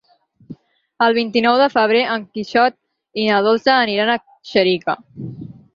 El vint-i-nou de febrer en Quixot i na Dolça aniran a Xèrica.